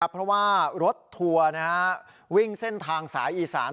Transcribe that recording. เพราะว่ารถทัวร์วิ่งเส้นทางสายอีสาน